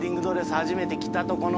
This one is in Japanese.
初めて着たとこの。